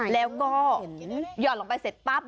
แล้วก็หยอดลงไปเสร็จปั๊บ